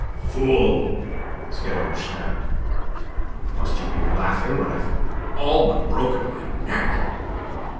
"Fool!" Scaramouche snapped. "Must you be laughing when I've all but broken my neck?"